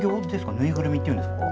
縫いぐるみっていうんですか？